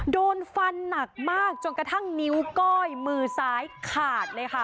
โดนฟันหนักมากจนกระทั่งนิ้วก้อยมือซ้ายขาดเลยค่ะ